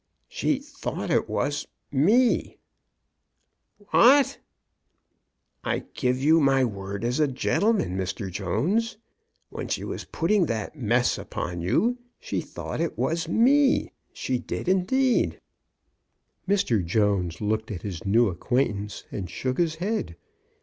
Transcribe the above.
*'*' She thought it was — me !" What!" I give you my word as a gentleman, Mr. Jones. When she was putting that mess ypon you, she thought it was me ! She did in deed." Mr. Jones looked at his new acquaintance and shook his head.